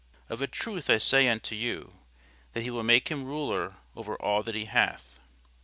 Of a truth I say unto you, that he will make him ruler over all that he hath.